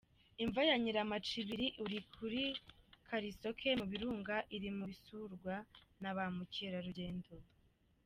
Imva ya Nyiramacibiri iri kuri Kalisoke mu birunga, iri mu bisurwa na ba mukerarugendo.